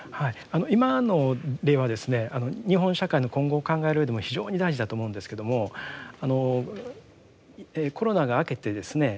今の例はですね日本社会の今後を考えるうえでも非常に大事だと思うんですけどもあのコロナが明けてですね